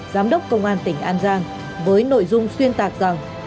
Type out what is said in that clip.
giám đốc công an tỉnh an giang với nội dung xuyên tạc rằng